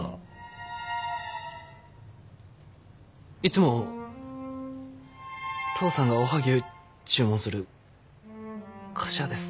いつも父さんがおはぎゅう注文する菓子屋です。